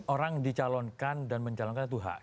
orang dicalonkan dan mencalonkan itu hak